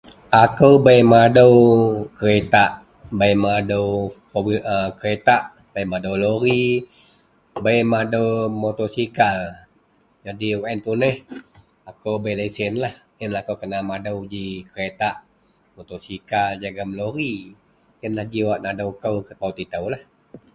akou bei madou keretak, bei madou 4 wheel a kereta bei madau lori, bei madou motosikal, jadi wak ien tuneh, akou bei lesenlah, ienlah akou kena madou ji kereta, motosikal jegum lori, ienlah ji wak nadou kou kepaut itou